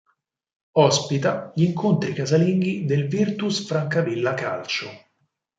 Ospita gli incontri casalinghi del Virtus Francavilla Calcio.